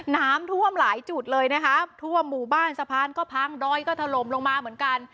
น้ำท่วมหลายจุดเลยนะคะทั่วหมู่บ้านสะพานก็พังดอยก็ถล่มลงมาเหมือนกัน